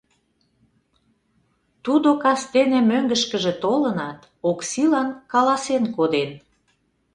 Тудо кастене мӧҥгышкыжӧ толынат, Оксилан каласен коден: